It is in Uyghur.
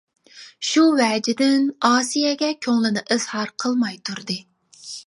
شۇ ۋەجىدىن، ئاسىيەگە كۆڭلىنى ئىزھار قىلماي تۇردى.